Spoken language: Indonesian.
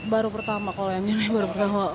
baru pertama kalau yang ini baru pertama